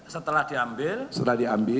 setelah diambil setelah diambil